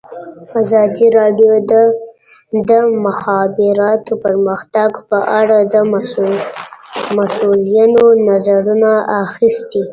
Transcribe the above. ازادي راډیو د د مخابراتو پرمختګ په اړه د مسؤلینو نظرونه اخیستي.